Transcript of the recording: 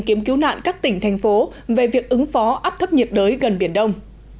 kiếm cứu nạn các tỉnh thành phố về việc ứng phó áp thấp nhiệt đới gần biển đông